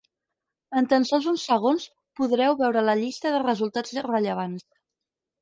En tan sols uns segons, podreu veure la llista de resultats rellevants.